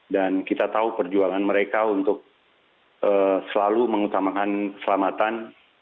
dan kita tahu perjualan mereka untuk selalu mengutamakan keselamatan